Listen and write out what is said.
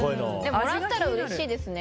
もらったらうれしいですね。